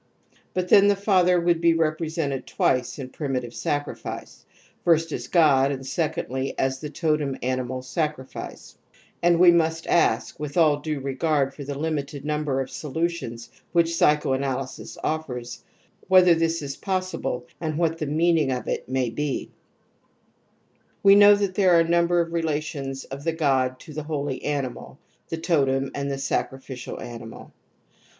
But then the father would be represented twice in primitive sacrifice, first as god, and secondly as the totem animal INFAN[TILE RECURRENCE OF TOTEMISM 245 sacrifice, and we must ask, with all due regard for the limited number of solutions which psy choanalysis offers, whether this is possible and what the meaning of it may be* We know that there are a number of relations of the god to the holy animal (the totem and the sacrificial animal) : 1.